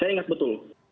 saya ingat betul